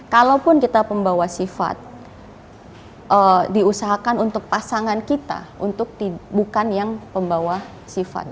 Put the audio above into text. kalaupun kita pembawa sifat diusahakan untuk pasangan kita untuk bukan yang pembawa sifat